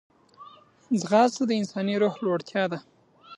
ځغاسته د انساني روح لوړتیا ده